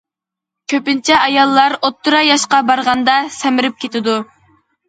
كۆپىنچە ئاياللار ئوتتۇرا ياشقا بارغاندا سەمرىپ كېتىدۇ.